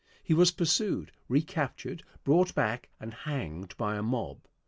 He was pursued, recaptured, brought back and hanged by a mob.